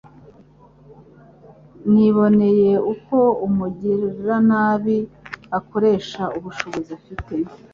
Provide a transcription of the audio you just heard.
Niboneye uko umugiranabi akoresha ubushobozi afite